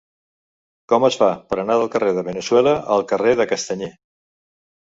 Com es fa per anar del carrer de Veneçuela al carrer de Castanyer?